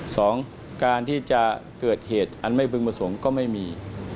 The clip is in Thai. สองการที่จะเกิดเหตุอันไม่พึงประสงค์ก็ไม่มี